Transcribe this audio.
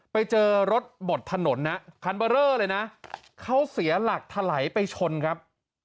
ไปเจอรถบดถนนนะคันเบอร์เรอเลยนะเขาเสียหลักถลายไปชนครับ